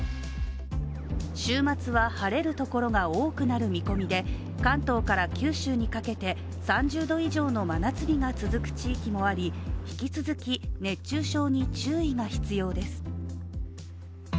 週末は晴れるところが多くなる見込みで、関東から九州にかけて３０度以上の真夏日が続く地域もあり引き続き熱中症に注意が必要です。